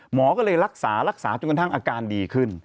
หมอก็เลยรักษารักษาจนกระทั่งอาการดีขึ้น